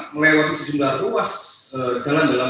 melewati sejumlah ruas jalan dalam